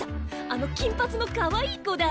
あの金髪のかわいい子だ。